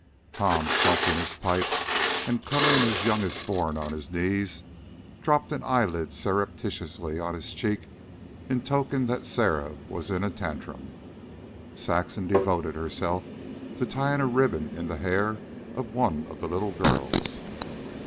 Tom, smoking his pipe and cuddling his youngest born on his knees, dropped an eyelid surreptitiously on his cheek in token that Sarah was in a tantrum. Saxon devoted herself to tying a ribbon in the hair of one of the little girls.